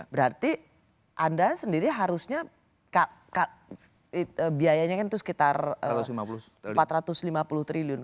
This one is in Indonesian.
berarti anda sendiri harusnya biayanya kan itu sekitar empat ratus lima puluh triliun